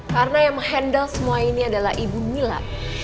karena yang mengendal semua ini adalah ibu mila